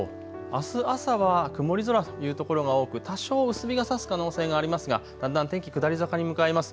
あす朝は曇り空というところが多く多少薄日がさす可能性がありますがだんだん天気、下り坂に向かいます。